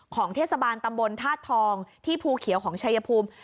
ของเทศบาลตำบลธาตุทองที่ภูเขียวของชายภูมิ